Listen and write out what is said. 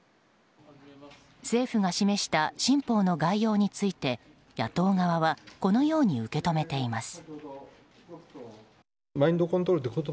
政府が示した新法の概要について野党側はこのように受け止めています。